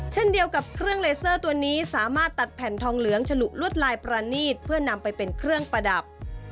เช่นเดียวกับเครื่องเลเซอร์ตัวนี้สามารถตัดแผ่นทองเหลืองฉลุลวดลายประนีตเพื่อนำไปเป็นเครื่องประดับ